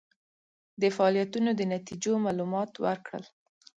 د فعالیتونو د نتیجو معلومات ورکړل.